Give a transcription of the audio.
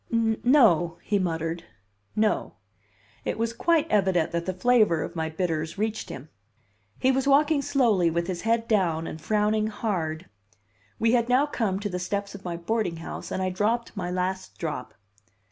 "No," he muttered. "No." It was quite evident that the flavor of my bitters reached him. He was walking slowly, with his head down, and frowning hard. We had now come to the steps of my boarding house, and I dropped my last drop.